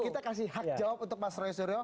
kita kasih hak jawab untuk mas roy suryo